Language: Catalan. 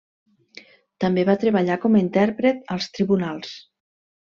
També va treballar com a intèrpret als tribunals.